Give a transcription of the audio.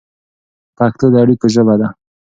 پښتو د اړیکو ژبه ده.